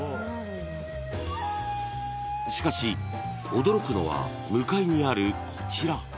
［しかし驚くのは向かいにあるこちら］